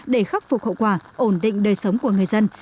để khắc phục hậu quả ổn định đời sống của người dân